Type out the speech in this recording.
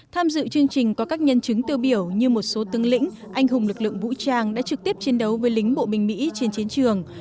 tham dự chương trình có các nhân chứng tiêu biểu như một số tương lĩnh anh hùng lực lượng vũ trang đã trực tiếp chiến đấu với lính bộ binh mỹ trên chiến trường